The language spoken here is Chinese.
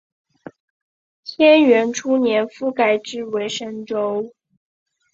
干元初年复改置为深州。